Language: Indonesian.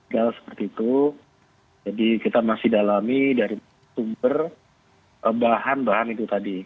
gagal seperti itu jadi kita masih dalami dari sumber bahan bahan itu tadi